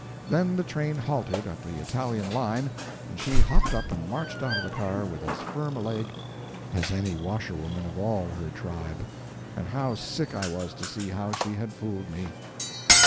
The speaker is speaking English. Then the train halted at the Italian line and she hopped up and marched out of the car with as firm a leg as any washerwoman of all her tribe! And how sick I was, to see how she had fooled me.